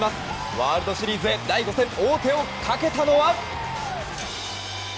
ワールドシリーズへ第５戦王手をかけたのは。